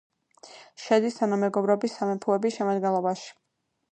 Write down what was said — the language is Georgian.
შედის თანამეგობრობის სამეფოების შემადგენლობაში.